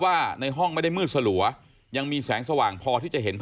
ร้องร้องร้องร้องร้องร้องร้องร้องร้อง